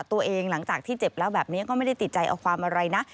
หลังจากที่เจ็บแล้วแบบนี้ก็ไม่ได้ติดใจเอาความอะไรนะ